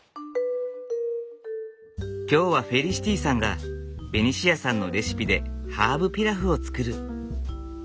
今日はフェリシティさんがベニシアさんのレシピでハーブピラフを作る。